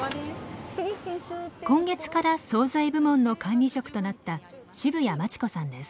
今月から惣菜部門の管理職となった渋谷真智子さんです。